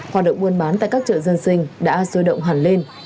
hoạt động buôn bán tại các chợ dân sinh đã sôi động hẳn lên